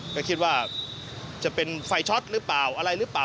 ก็คิดว่าจะเป็นไฟช็อตหรือเปล่าอะไรหรือเปล่า